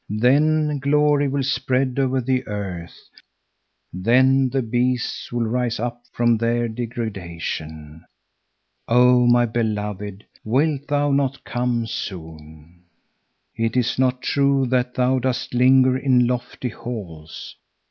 Then glory will spread over the earth, then the beasts will rise up from their degradation. "Oh, my beloved, wilt thou not come soon?" "It is not true that thou dost linger in lofty halls.